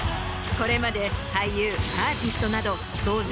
これまで俳優アーティストなど。